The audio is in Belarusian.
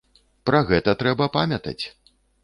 Пра гэта трэба памятаць!